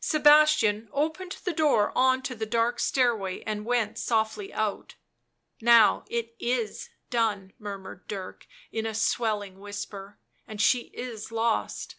Sebastian opened the door on to the dark stairway and went softly out. {t Now, it is done," murmured Dirk in a swelling whisper, " and she is lost."